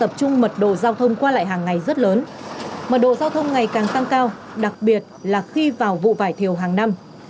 tập trung mật độ giao thông qua lại hàng ngày rất lớn mật độ giao thông ngày càng tăng cao đặc biệt là khi vào vụ vải thiều hàng năm